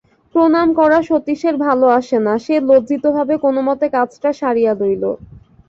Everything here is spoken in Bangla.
প্রণাম করা সতীশের ভালো আসে না, সে লজ্জিতভাবে কোনোমতে কাজটা সারিয়া লইল।